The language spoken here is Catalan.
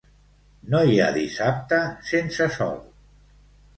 No hi ha dissabte sense sol.